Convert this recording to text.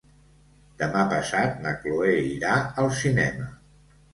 Demà passat na Cloè irà al cinema.